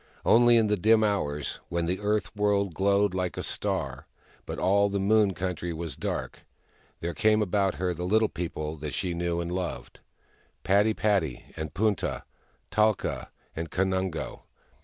Only in the dim hours, when the earth world glowed like a star, but all the moon country was dark, there came about her the Little People that she knew^ and loved— Padi padi, and Punta, Talka and Kanungo.